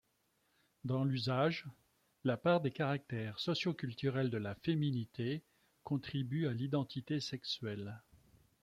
Dans l’usage, la part des caractères socioculturels de la féminité contribue à l’identité sexuelle.